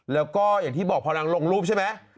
แล้วก็อย่างที่บอกพอนางลงรูปใช่ไหม